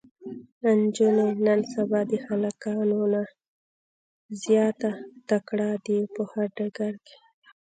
انجونې نن سبا د هلکانو نه زياته تکړه دي په هر ډګر کې